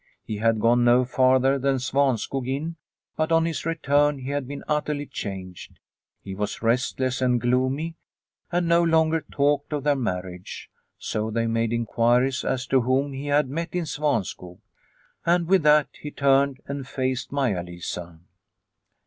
He had gone no farther than Svanskog inn, but on his return he had been utterly changed. He was restless and gloomy, and no longer talked of their marriage. So 226 Liliecrona's Home they made inquiries as to whom he had met in Svanskog. (And with that he turned and faced Maia Lisa.)